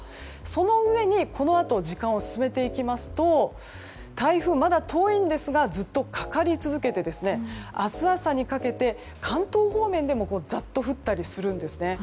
そのうえにこのあと時間を進めていきますと台風まだ遠いんですがずっとかかり続けて明日朝にかけて関東方面でもざっと降ったりするんですね。